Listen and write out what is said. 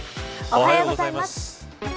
おはようございます。